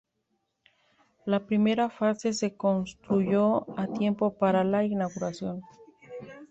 La primera fase se construyó a tiempo para la inauguración.